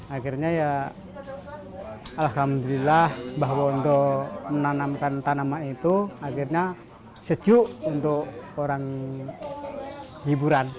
akhirnya ya alhamdulillah bahwa untuk menanamkan tanaman itu akhirnya sejuk untuk orang hiburan